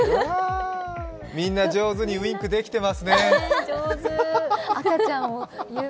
みんな上手にウインクできてますね。